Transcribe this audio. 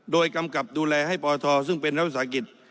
โดยกำกับดูแลให้ปธซึ่งเป็นรัฐวิทยาลัยศาสตร์กิจ